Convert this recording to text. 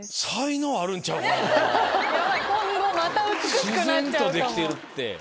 自然とできてるって。